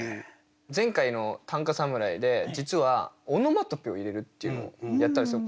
前回の短歌侍で実はオノマトペを入れるっていうのをやったんですよ。